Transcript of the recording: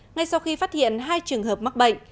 ngay sau khi phát hiện hai trường hợp mắc bệnh